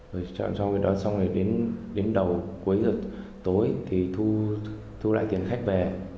rồi chọn xong cái đó xong rồi đến đầu cuối tuổi thì thu lại tiền khách về